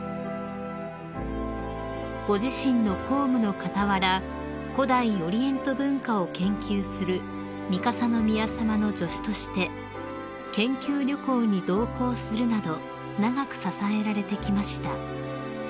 ［ご自身の公務の傍ら古代オリエント文化を研究する三笠宮さまの助手として研究旅行に同行するなど長く支えられてきました］